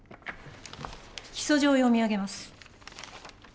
起訴状を読み上げます。